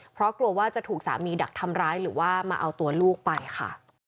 เพราะกลัวว่าจะถูกสามีดักทำร้ายหรือว่ามาเอาตัวลูกไปค่ะ